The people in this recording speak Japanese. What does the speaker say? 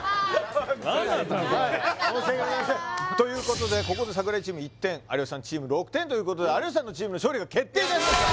何なんだよこれということでここで櫻井チーム１点有吉さんチーム６点ということで有吉さんのチームの勝利が決定いたしました！